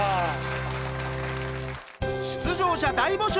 出場者大募集！